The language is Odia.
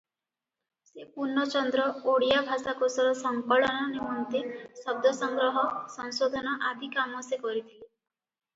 ସେ ପୂର୍ଣ୍ଣଚନ୍ଦ୍ର ଓଡ଼ିଆ ଭାଷାକୋଷର ସଂକଳନ ନିମନ୍ତେ ଶବ୍ଦସଂଗ୍ରହ, ସଂଶୋଧନ ଆଦି କାମ ସେ କରିଥିଲେ ।